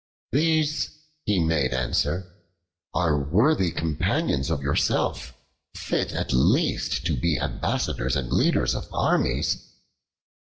"These," he made answer, "are worthy companions of yourself, fit at least to be ambassadors and leaders of armies."